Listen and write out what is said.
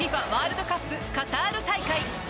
ワールドカップカタール大会。